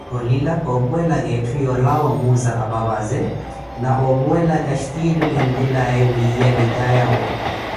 Olila, ophuwelaka eethu yolawa owuuza apapaze, na ophuwelaka xhtilu enthelaye wiiya vitayawe